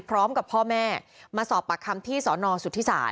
พร้อมกับพ่อแม่มาสอบปากคำที่สนสุธิศาส